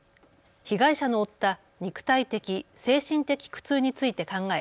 被害者の負った肉体的、精神的苦痛について考え